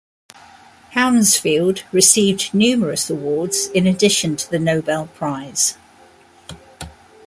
Hounsfield received numerous awards in addition to the Nobel Prize.